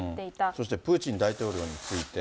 そしてプーチン大統領について。